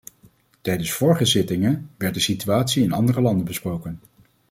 Tijdens vorige zittingen werd de situatie in andere landen besproken.